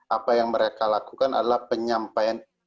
apa yang mereka lakukan adalah penyampaian